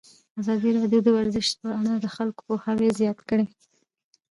ازادي راډیو د ورزش په اړه د خلکو پوهاوی زیات کړی.